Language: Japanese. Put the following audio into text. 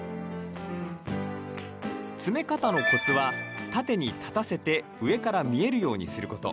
詰め方のコツは、縦に立たせて上から見えるようにすること。